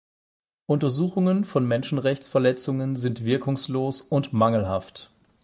Untersuchungen von Menschenrechtsverletzungen sind wirkungslos und mangelhaft.